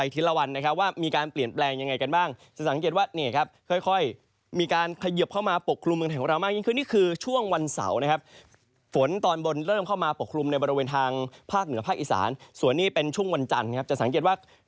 ส่วนนี้เป็นช่วงวันจันทร์นะครับจะสังเกตว่า